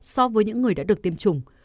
so với những người đã được tiêm chủng